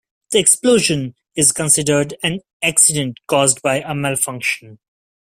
The explosion is considered an accident caused by a malfunction.